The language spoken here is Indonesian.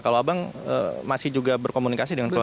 kalau abang masih juga berkomunikasi dengan keluarga